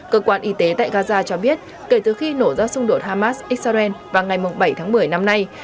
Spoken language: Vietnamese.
cơ quan y tế tại gaza cho biết kể từ khi nổ ra xung đột hamas israel vào ngày bảy tháng một mươi năm nay